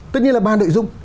tất nhiên là ban đội giúp